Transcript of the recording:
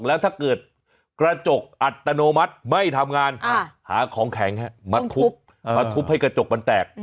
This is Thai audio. แล้วถ้าเกิดกระจกอัตโนมัติไม่ทำงานหาของแข็งมาทุบมาทุบให้กระจกมันแตก